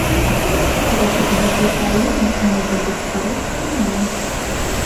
Вопыт гэтай краіны можа быць карысны і нам.